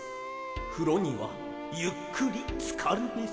「ふろにはゆっくりつかるべし」